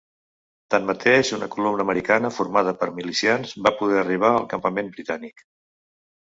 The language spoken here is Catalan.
Tanmateix, una columna americana, formada per milicians, va poder arribar al campament britànic.